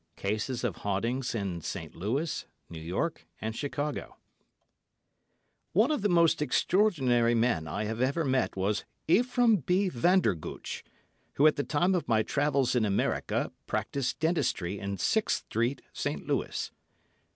CASES OF HAUNTINGS IN ST. LOUIS, NEW YORK, AND CHICAGO One of the most extraordinary men I have ever met was Ephraim B. Vandergooch, who, at the time of my travels in America, practised dentistry in 6th Street, St. Louis.